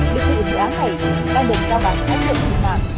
địa chỉ dự án này đang được giao bán khách lượng trị mạng